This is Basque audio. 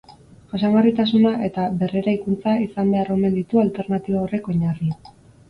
Jasangarritasuna eta berreraikuntza izan behar omen ditu alternatiba horrek oinarri.